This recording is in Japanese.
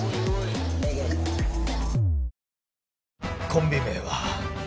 コンビ名は。